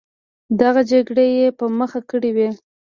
دغه جګړې یې په مخه کړې وې.